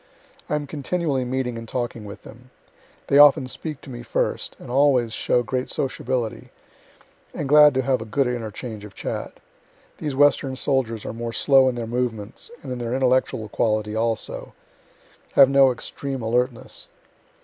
I am continually meeting and talking with them. They often speak to me first, and always show great sociability, and glad to have a good interchange of chat. These Western soldiers are more slow in their movements, and in their intellectual quality also; have no extreme alertness.